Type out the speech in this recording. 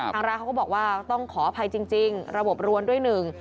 ทางร้านเขาก็บอกว่าต้องขออภัยจริงระบบรวนด้วยหนึ่ง